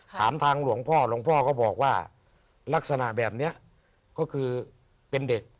ถามทางหลวงพ่อหลวงพ่อก็บอกว่าลักษณะแบบนี้ก็คือเป็นเด็ก